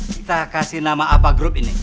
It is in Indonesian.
kita kasih nama apa grup ini